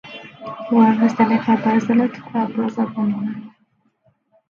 وسلافة بزلت فأبرز دنها